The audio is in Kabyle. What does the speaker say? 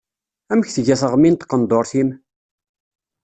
Amek tga teɣmi n tqendurt-im?